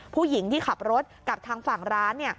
ผู้หญิงที่ขับรถกับทางฝั่งร้าน